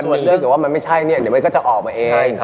ถ้าเกิดว่ามันไม่ใช่เดี๋ยวมันก็จะออกมาเอง